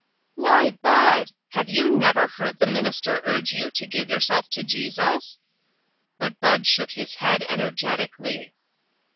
" Why, Bud ! have you never heard the minister urge you to give yourself to Jesus ?" But Bud shook his head energetically.